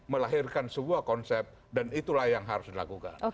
melahirkan sebuah konsep dan itulah yang harus dilakukan